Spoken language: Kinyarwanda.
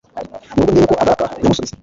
mu rugo ndebe ko agaraka nyamusubize